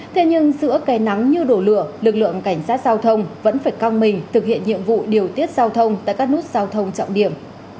thế nhưng giữa cây nắng như đổ lửa lực lượng cảnh sát giao thông vẫn phải căng mình thực hiện nhiệm vụ điều tiết giao thông tại các nút giao thông trọng điểm